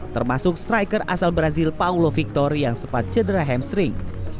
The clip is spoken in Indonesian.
termasuk striker asal brazil paulo victor yang sempat cedera hamstring